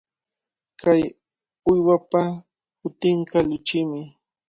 Kay uywapa hutinqa kuchimi.